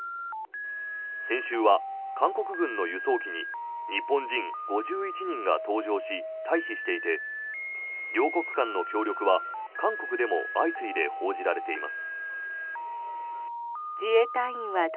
先週は韓国軍の輸送機に日本人５１人が搭乗し退避していて両国間の協力は韓国でも相次いで報じられています。